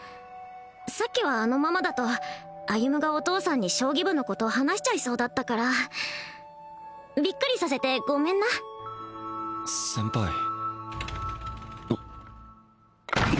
さっきはあのままだと歩がお父さんに将棋部のこと話しちゃいそうだったからびっくりさせてごめんな先輩あっ